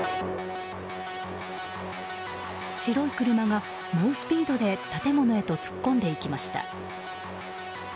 白い車が猛スピードで建物へと突っ込んでいきました。